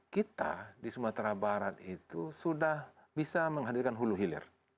kita di sumatera barat itu sudah bisa menghadirkan hulu hilir